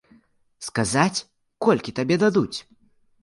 Сказаць колькі табе дадуць?